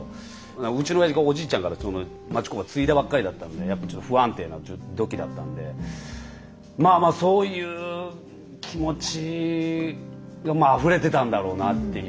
うちのおやじがおじいちゃんからその町工場継いだばっかりだったんでやっぱちょっと不安定なときだったんでまあまあそういう気持ちあふれてたんだろうなっていうのはね